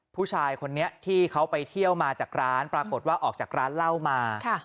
ผู้ชายคนนี้ที่เขาไปเที่ยวมาจากร้านปรากฏว่าออกจากร้านเหล้ามา